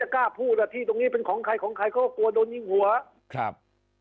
กรุงหัว